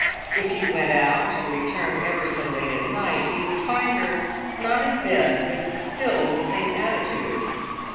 If he went out, and returned ever so late at night, he would find her — not in bed, but still in the same attitude.